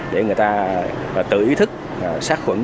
để người ta tự ý thức xác khuẩn